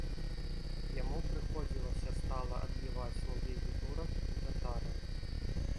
Яму прыходзілася стала адбіваць набегі турак і татараў.